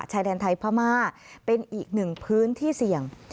ชายแดนไทยพม่าเป็นอีกหนึ่งพื้นที่เสี่ยง